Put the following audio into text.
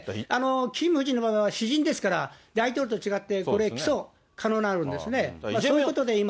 キム夫人の場合は私人ですから、大統領と違って、これ、起訴、可能になるんですね。ということで今。